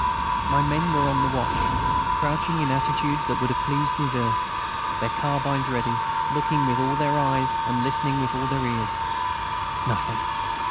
My men were on the watch, crouching in attitudes that would have pleased Neuville, their carbines ready, looking with all their eyes and listening with all their ears. Nothing!